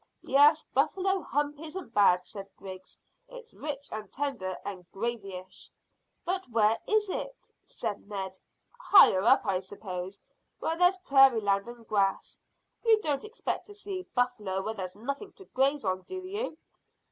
"Yes; buffalo hump isn't bad," said Griggs. "It's rich and tender and gravyish." "But where is it?" said Ned. "Higher up, I suppose, where there's prairie land and grass. You don't expect to see buffler where there's nothing to graze on, do you?